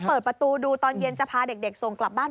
เปิดประตูดูตอนเย็นจะพาเด็กส่งกลับบ้าน